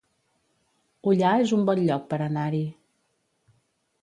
Ullà es un bon lloc per anar-hi